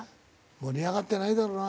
盛り上がってないだろうな。